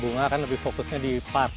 bunga kan lebih fokusnya di part